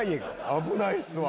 危ないっすわ。